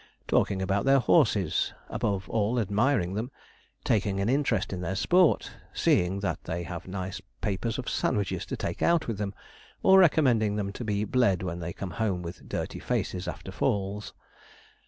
Talking about their horses, above all admiring them, taking an interest in their sport, seeing that they have nice papers of sandwiches to take out with them, or recommending them to be bled when they come home with dirty faces after falls.